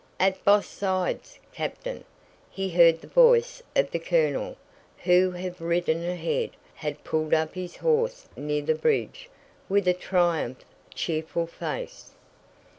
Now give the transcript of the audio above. "At boss zides, Captain," he heard the voice of the colonel, who, having ridden ahead, had pulled up his horse near the bridge, with a triumphant, cheerful face.